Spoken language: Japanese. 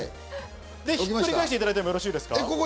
ひっくり返していただいてよろしいですか？